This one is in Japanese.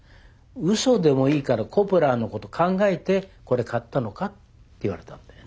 ウソでもいいからコッポラのこと考えてこれ買ったのか？」って言われたんだよね。